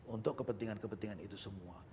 untuk kepentingan kepentingan itu semua